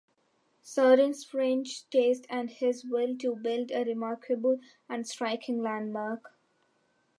Sorin's French taste and his will to build a remarkable and striking landmark.